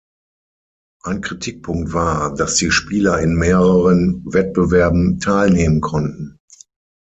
Ein Kritikpunkt war, dass die Spieler in mehreren Wettbewerben teilnehmen konnten.